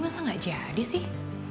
masa gak jadi sih